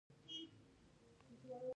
هغه څه نه دي چې له واک پورته دي.